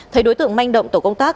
thấy đối tượng manh động tổ công tác